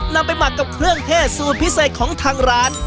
นำไปหมักกับเครื่องเทศสูตรพิเศษของทางร้าน